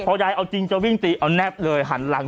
พอยายเอาจริงจะวิ่งตีเอาแนบเลยหันหลัง